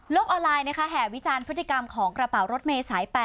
ออนไลน์แห่วิจารณ์พฤติกรรมของกระเป๋ารถเมย์สาย๘